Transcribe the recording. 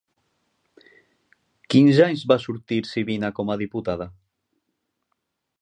Quins anys va sortir Sibina com a diputada?